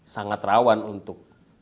sangat rawan untuk